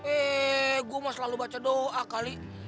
eh gue mau selalu baca doa kali